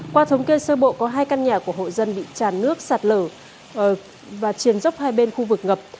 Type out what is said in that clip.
qua thống kê sơ bộ có hai căn nhà của hộ dân bị tràn nước sạt lở và triển dốc hai bên khu vực ngập